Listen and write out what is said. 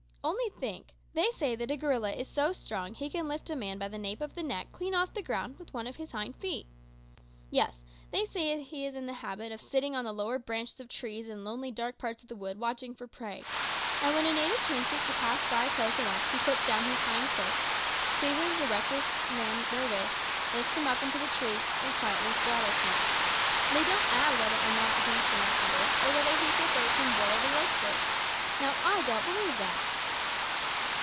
Only think, they say that a gorilla is so strong that he can lift a man by the nape of the neck clean off the ground with one of his hind feet! Yes, they say he is in the habit of sitting on the lower branches of trees in lonely dark parts of the wood watching for prey, and when a native chances to pass by close enough he puts down his hind foot, seizes the wretched man therewith, lifts him up into the tree, and quietly throttles him. They don't add whether or not he eats him afterwards, or whether he prefers him boiled or roasted. Now, I don't believe that."